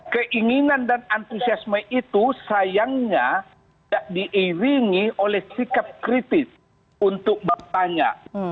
keinginan dan antusiasme itu sayangnya tidak diiringi oleh sikap kritis untuk bertanya